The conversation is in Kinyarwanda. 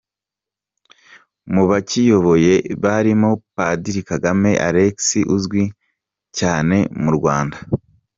Mu bakiyoboye barimo Padiri Kagame Alexis uzwi cyane mu Rwanda.